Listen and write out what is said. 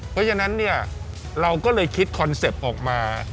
เพราะฉะนั้นเนี่ยเราก็เลยคิดคอนเซ็ปต์ออกมา